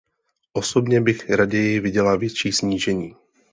Osobně bych raději viděla větší snížení.